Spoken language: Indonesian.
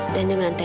dan dengan tesnya